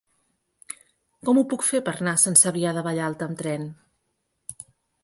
Com ho puc fer per anar a Sant Cebrià de Vallalta amb tren?